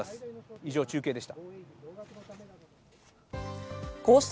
以上、中継でした。